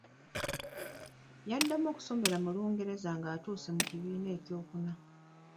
Yaddamu okusomera mu Lungereza ng’atuuse mu kibiina eky’okuna.